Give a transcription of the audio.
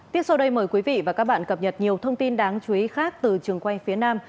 tiếp sau đây mời quý vị và các bạn cập nhật nhiều thông tin đáng chú ý khác từ trường quay phía nam